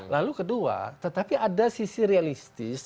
lalu kedua tetapi ada sisi realistis